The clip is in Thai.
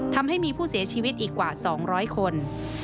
ทำให้มีผู้เสียชีวิตอีกกว่า๒๐๐คน